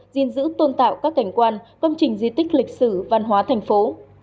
diên dữ tôn tạo các cảnh quản công trình di tích lịch sử văn hóa thành phố